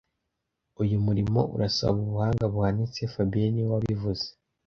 Uyu murimo urasaba ubuhanga buhanitse fabien niwe wabivuze